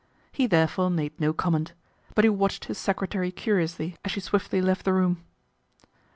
He therefore made no comment ; but he watched his secretary curiously as she swiftly left the room.